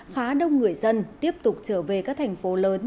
khá đông người dân tiếp tục trở về các thành phố lớn